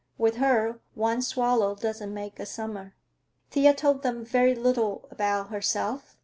With her one swallow doesn't make a summer." Thea told them very little about herself.